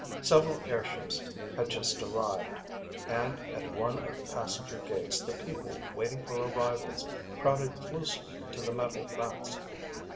Several airships had just arrived, and at one of the passenger gates the people waiting for arrivals crowded closely to the metal fence.